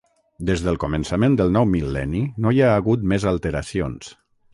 Des del començament del nou mil·lenni no hi ha hagut més alteracions.